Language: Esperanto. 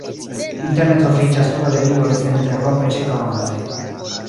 Interne troviĝas du galerioj seninterrompe ĉirkaŭantaj.